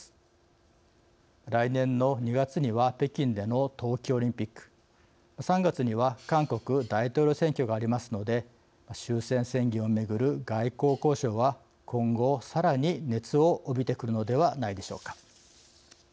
来年の２月には北京での冬季オリンピック３月には韓国大統領選挙がありますので終戦宣言を巡る外交交渉は今後さらに熱を帯びてくるのではないでしょうか。